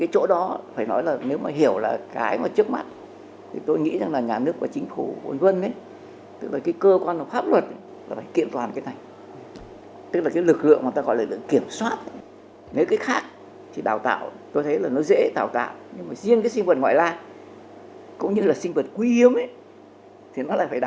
cũng như là sinh vật quý hiếm thì nó lại phải đào tạo hơi cầu kỳ một tí